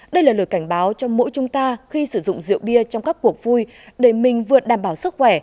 đây là lời cảnh báo cho mỗi chúng ta khi sử dụng rượu bia trong các cuộc vui để mình vượt đảm bảo sức khỏe